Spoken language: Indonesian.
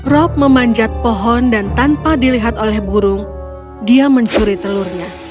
rob memanjat pohon dan tanpa dilihat oleh burung dia mencuri telurnya